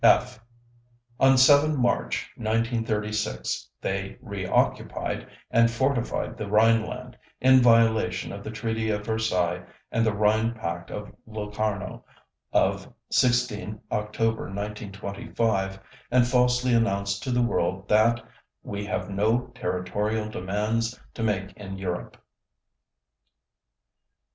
(f) On 7 March 1936, they reoccupied and fortified the Rhineland, in violation of the Treaty of Versailles and the Rhine Pact of Locarno of 16 October 1925, and falsely announced to the world that "we have no territorial demands to make in Europe."